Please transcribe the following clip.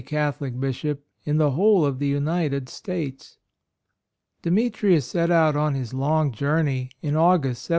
47 Catholic bishop in the whole of the United States. Demetrius set out on his long journey in August, 1792.